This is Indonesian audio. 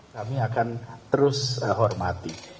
kami akan terus hormati